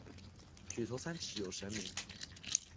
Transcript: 举头三尺有神明。